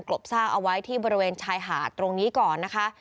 ลบซากเอาไว้ที่บริเวณชายหาดตรงนี้ก่อนนะคะ